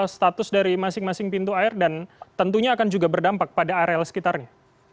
status dari masing masing pintu air dan tentunya akan juga berdampak pada areal sekitarnya